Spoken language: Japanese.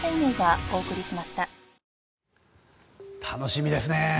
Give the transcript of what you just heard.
楽しみですね。